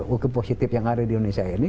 hukum positif yang ada di indonesia ini